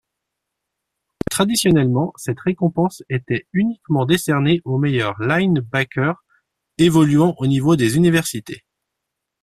Traditionnellement, cette récompense était uniquement décernée au meilleur linebacker évoluant au niveau des universités.